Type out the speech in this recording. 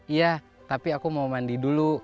iya tapi aku mau mandi dulu